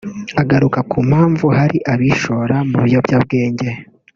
agaruka ku mpamvu hari abishora mu biyobyabwenge